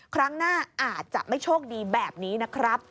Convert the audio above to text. ครั้งหน้าอาจจะไม่โชคดีแบบนี้นะครับ